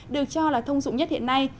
được cho là thông dụng nhất hiện nay